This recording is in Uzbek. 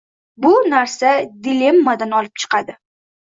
Bu narsa dilemmadan olib chiqadi.